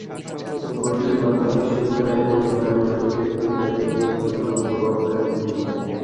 বইটির মাধ্যমে বিশ্ববিদ্যালয়কে মূল্যায়নের পরিপ্রেক্ষিত তৈরি হয়েছে বলে মন্তব্য করেন তিনি।